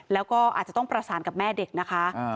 แล้วก็อาจจะต้องประสานกับแม่เด็กนะคะ